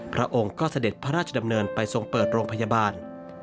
พระองค์ก็เสด็จพระราชดำเนินไปทรงเปิดโรงพยาบาล